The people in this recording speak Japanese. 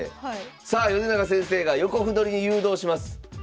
さあ米長先生が横歩取りに誘導します。